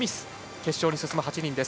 決勝に進む８人です。